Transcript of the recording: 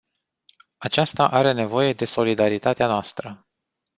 Aceasta are nevoie de solidaritatea noastră.